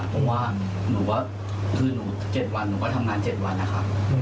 เพราะว่าหนูว่าคือหนูเจ็ดวันหนูว่าทำงานเจ็ดวันนะครับ